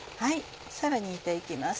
さらに煮て行きます。